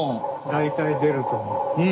大体出ると思う。